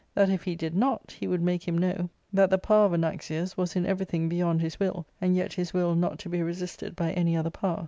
That, if he did not, he would make him know that the power of / 368 ARCADIA,— Book III. Anaxius was in everything beyond his will, and yet his will not to be resisted by any other power.